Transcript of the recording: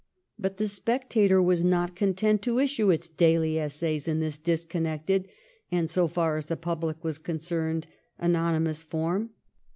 But ' Tlie Spectator ' was not content to issue its daily essays in this disconnected and, so far as the public were concerned, anonymous form.